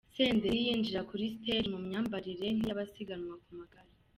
Senderi yinjira kuri Stage mu myambarire nk’iy’abasiganwa ku magare.